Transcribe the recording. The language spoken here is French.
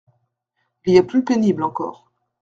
Il y a plus pénible encore.